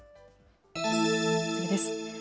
次です。